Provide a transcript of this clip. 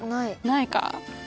ないか。